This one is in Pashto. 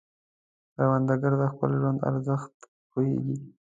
کروندګر د خپل ژوند ارزښت پوهیږي